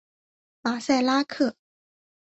马赛拉克。